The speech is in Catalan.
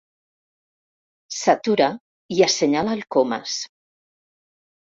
S'atura i assenyala el Comas.